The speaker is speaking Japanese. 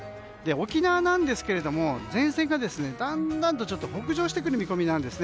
沖縄ですが、前線がだんだんと北上してくる見込みです。